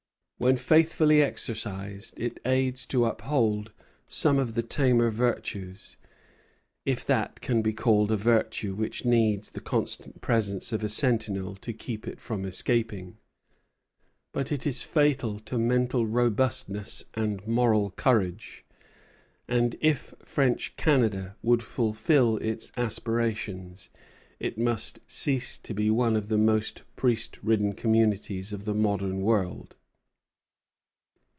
When faithfully exercised it aids to uphold some of the tamer virtues, if that can be called a virtue which needs the constant presence of a sentinel to keep it from escaping: but it is fatal to mental robustness and moral courage; and if French Canada would fulfil its aspirations it must cease to be one of the most priest ridden communities of the modern world.